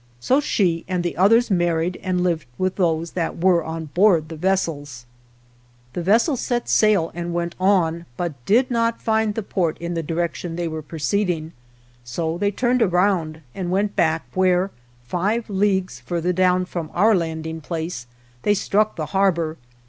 So she and the others married, and lived with those that were on board the vessels. The vessels set sail and went on, but did not find the port in the direction they were proceeding, so they turned around and went back where, five leagues further down from our landing place, they struck the harbor.